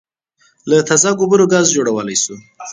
له تازه ګوبرو ګاز جوړولای شو